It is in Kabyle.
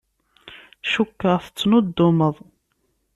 Cukkeɣ tettnuddumeḍ.